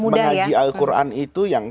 mengaji al quran itu yang